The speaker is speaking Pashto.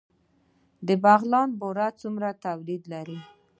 د بغلان بوره څومره تولید لري؟